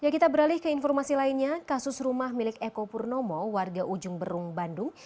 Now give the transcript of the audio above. kita beralih ke informasi lainnya kasus rumah milik eko purnomo warga ujung berung bandung